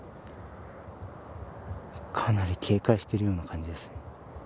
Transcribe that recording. かなり警戒しているような感じです。